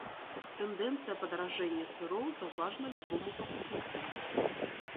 Тэндэнцыя падаражэння сыроў заўважна любому пакупніку.